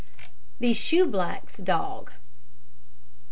THE SHOEBLACK'S DOG.